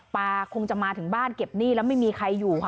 คงจะมาถึงบ้านเก็บหนี้แล้วไม่มีใครอยู่ค่ะ